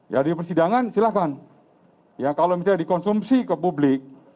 ya di persidangan silahkan ya kalau misalnya dikonsumsi ke publik